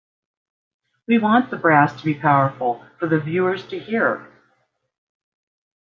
We want the brass to be powerful for the viewers to hear.